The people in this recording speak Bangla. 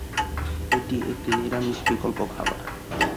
এটি একটি নিরামিষ বিকল্প খাবার।